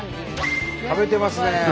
食べてますね。